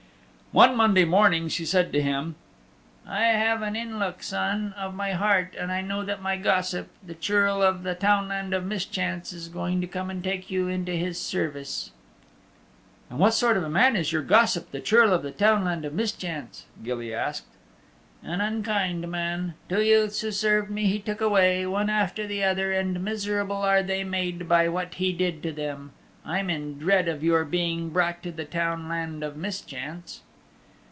One Monday morning she said to him, "I have had an inlook, son of my heart, and I know that my gossip, the Churl of the Townland of Mischance, is going to come and take you into his service." "And what sort of a man is your gossip, the Churl of the Townland of Mischance?" Gilly asked. "An unkind man. Two youths who served me he took away, one after the other, and miserable are they made by what he did to them. I'm in dread of your being brought to the Townland of Mischance."